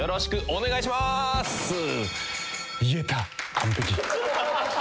完璧。